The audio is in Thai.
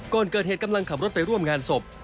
ก่อนเกิดเหตุกำลังขับรถไปร่วมงานศพ